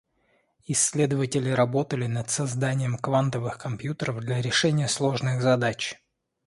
Исследователи работали над созданием квантовых компьютеров для решения сложных задач.